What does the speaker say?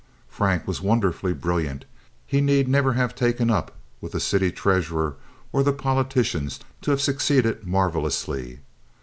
Frank was wonderfully brilliant. He need never have taken up with the city treasurer or the politicians to have succeeded marvelously.